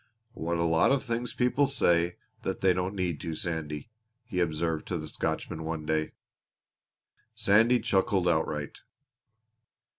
"What a lot of things people say that they don't need to, Sandy," he observed to the Scotchman one day. Sandy chuckled outright.